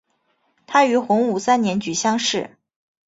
他于洪武三年举乡试。